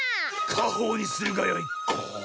かほうにするがよい。